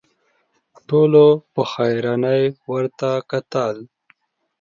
ټولو په حيرانۍ ورته وکتل.